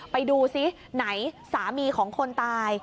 ไปดูซิไหนสามีของคนตาย